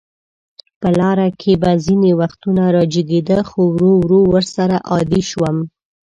په لاره کې به ځینې وختونه راجګېده، خو ورو ورو ورسره عادي شوم.